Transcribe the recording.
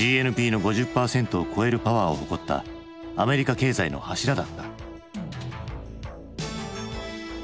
ＧＮＰの５０％を超えるパワーを誇ったアメリカ経済の柱だった。